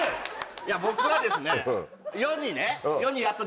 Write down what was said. いや僕はですね。